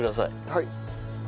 はい。